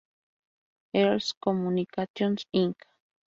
Earls Communications, Inc.